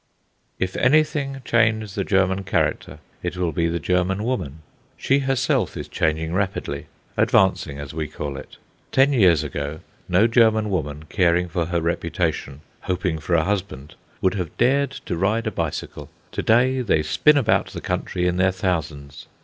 If anything change the German character, it will be the German woman. She herself is changing rapidly advancing, as we call it. Ten years ago no German woman caring for her reputation, hoping for a husband, would have dared to ride a bicycle: to day they spin about the country in their thousands.